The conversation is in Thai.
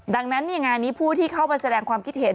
ดังนั้นงานนี้ผู้ที่เข้ามาแสดงความคิดเห็น